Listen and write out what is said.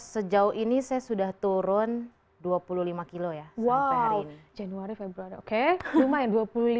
sejauh ini saya sudah turun dua puluh lima kilo ya wow januari februari oke lumayan dua puluh lima kilo sampai sejauh ini